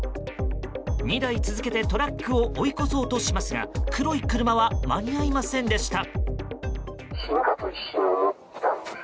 ２台続けてトラックを追い越そうとしますが黒い車は間に合いませんでした。